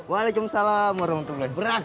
waalaikumsalam warahmatullahi wabarakatuh